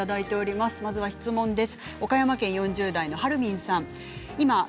まずは質問です。